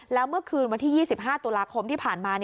แล้วเมื่อคืนวันที่๒๕ตุลาคมที่ผ่านมา